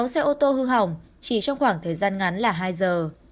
sáu xe ô tô hư hỏng chỉ trong khoảng thời gian ngắn là hai giờ